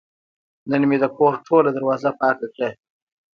نن مې د کور ټوله دروازه پاکه کړه.